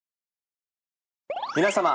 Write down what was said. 皆様。